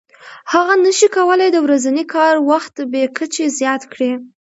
هغه نشي کولای د ورځني کار وخت بې کچې زیات کړي